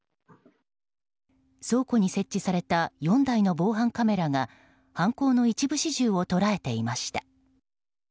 倉庫に設置された４台の防犯カメラが犯行の一部始終を捉えていました。